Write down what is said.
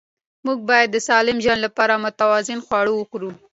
موږ باید د سالم ژوند لپاره متوازن خواړه وخورو